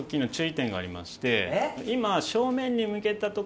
今。